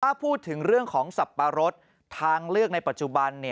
ถ้าพูดถึงเรื่องของสับปะรดทางเลือกในปัจจุบัน